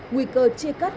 nguy cơ chia cắt